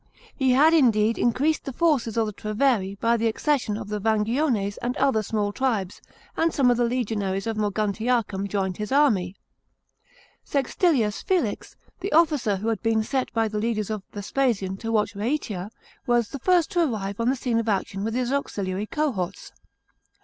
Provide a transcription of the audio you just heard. He had indeed increased the forces of the Treveri hy the accession of the Vangiones and other small tribes, aud some of the legionaries of Mojiuntiacum joined his army. Sextilius Felix, the officer who had been set by the leaders of Vespasian to watch Raatia, was the first to arrive on the scene of action with his auxiliary cohorts.